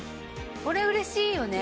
これ嬉しいよね！